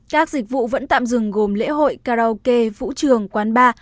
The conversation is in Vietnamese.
các dịch vụ vẫn tạm dừng gồm lễ hội karaoke vũ trường quán bar